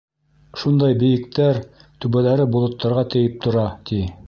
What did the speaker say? Шундай бейектәр, түбәләре болоттарға тейеп тора, ти.